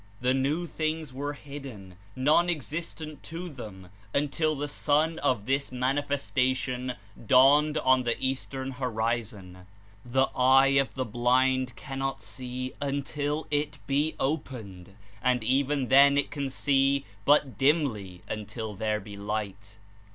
The new things were hidden, non existent to them until the Sun of this Manifestation dawned on the Eastern horizon. The eye of the blind cannot see until it be "opened," and even then it can see but dimly until there be Light.